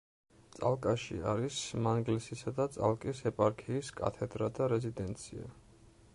წალკაში არის მანგლისისა და წალკის ეპარქიის კათედრა და რეზიდენცია.